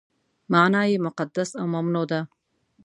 معنا یې مقدس او ممنوع ده.